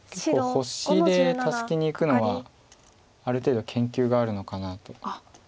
結構星でタスキにいくのはある程度研究があるのかなと。